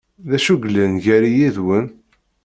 D acu yellan gar-i yid-wen?